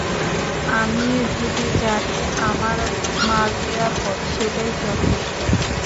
আমি যদি জানি আমার মাল নিরাপদ, সেটাই যথেষ্ট।